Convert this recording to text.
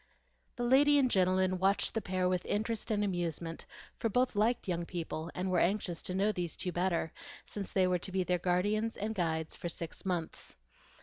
The lady and gentleman watched the pair with interest and amusement; for both liked young people, and were anxious to know these two better, since they were to be their guides and guardians for six months.